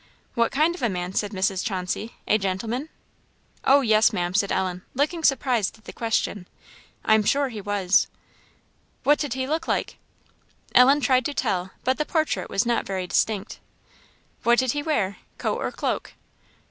"What kind of a man?" said Mrs. Chauncey; "a gentleman?" "Oh, yes, Ma'am!" said Ellen, looking surprised at the question. "I am sure he was." "What did he look like?" Ellen tried to tell, but the portrait was not very distinct. "What did he wear? Coat or cloak?"